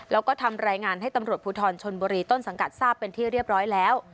แล้วก็ทำรายงานให้ตำรวจภูทรชนบุรีต้นสังกัดทราบเป็นที่เรียบร้อยแล้ว